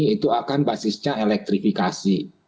itu akan basisnya elektrifikasi